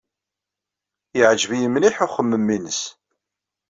Yeɛjeb-iyi mliḥ uxemmem-nnes.